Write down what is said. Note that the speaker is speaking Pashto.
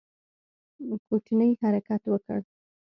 کوټنۍ حرکت وکړ.